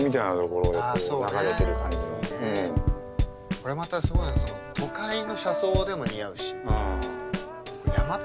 これまたすごいのが都会の車窓でも似合うし山とか海とか。